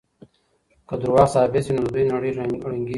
که دروغ ثابت شي نو د دوی نړۍ ړنګېږي.